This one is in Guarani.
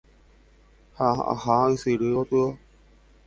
ha aha ysyry gotyo